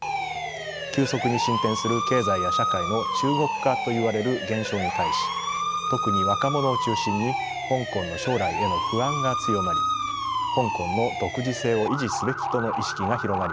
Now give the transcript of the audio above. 急速に進展する経済や社会の中国化といわれる現象に対し特に若者を中心に香港の将来への不安が強まり香港の独自性を維持すべきとの意識が広がりました。